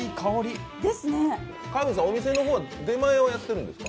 お店の方は出前もやっているんですか？